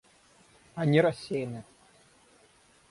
Они рассеяны.